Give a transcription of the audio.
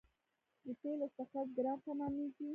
د تیلو استخراج ګران تمامېږي.